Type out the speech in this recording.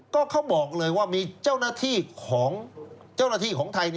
ก็เขาบอกเลยว่ามีเจ้าหน้าที่ของไทย